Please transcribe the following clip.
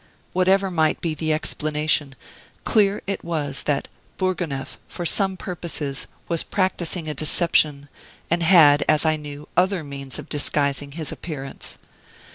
Whatever might be the explanation, clear it was that Bourgonef, for some purposes, was practising a deception, and had, as I knew, other means of disguising his appearance.